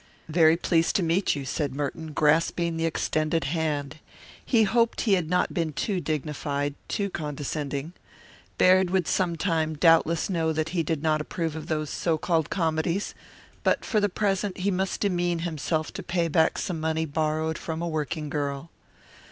"Very pleased to meet you," said Merton, grasping the extended hand. He hoped he had not been too dignified, too condescending. Baird would sometime doubtless know that he did not approve of those so called comedies, but for the present he must demean himself to pay back some money borrowed from a working girl.